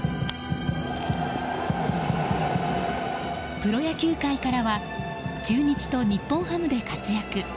プロ野球界からは中日と日本ハムで活躍